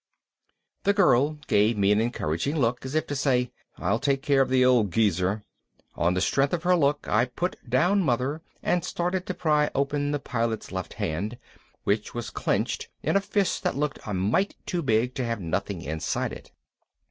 The girl gave me an encouraging look, as if to say, "I'll take care of the old geezer." On the strength of her look I put down Mother and started to pry open the Pilot's left hand, which was clenched in a fist that looked a mite too big to have nothing inside it.